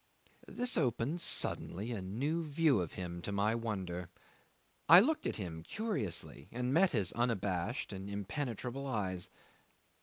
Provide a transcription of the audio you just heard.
'This opened suddenly a new view of him to my wonder. I looked at him curiously and met his unabashed and impenetrable eyes.